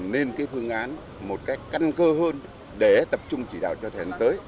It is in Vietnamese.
nên cái phương án một cách căn cơ hơn để tập trung chỉ đạo cho thầy đến tới